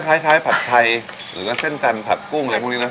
คล้ายผัดไทยหรือว่าเส้นจันทร์ผัดกุ้งอะไรพวกนี้เนอ